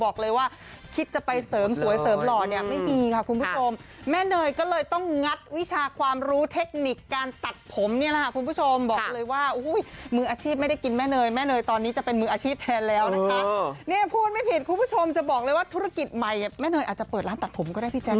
การจับกันไกลของแม่เทคนิคตัดจัดซอยแม่ไม่เป็นสองรองใครค่ะ